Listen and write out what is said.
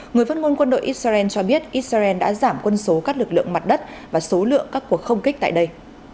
người phát ngôn quân đội israel cho biết israel đã giảm quân số các lực lượng mặt đất và số lượng các cuộc không kích tại đây